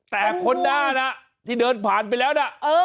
แต่คนด้านน่ะที่เดินผ่านไปแล้วนะ